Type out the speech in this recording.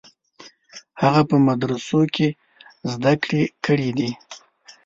هغه په مدرسو کې زده کړې کړې دي.